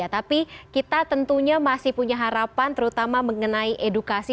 tapi kita tentunya masih punya harapan terutama mengenai edukasi